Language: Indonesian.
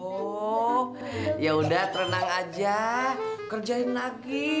oh ya sudah tenang saja kerjain lagi